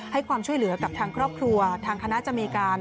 ความช่วยเหลือกับทางครอบครัวทางคณะจะมีการ